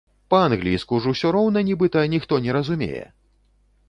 Па-англійску ж ўсё роўна нібыта ніхто не разумее!